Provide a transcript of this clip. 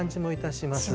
します。